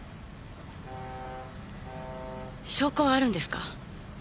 証拠はあるんですか？